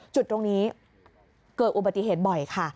จุดตรงนี้เกิดอุบัติเหตุบ่อยค่ะ